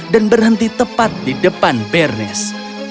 dan berhenti tepat di depan bernes